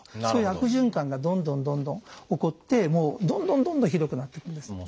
そういう悪循環がどんどんどんどん起こってもうどんどんどんどんひどくなっていくんです。